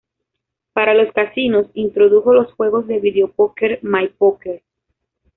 Para los casinos, introdujo los juegos de video póker "My Poker".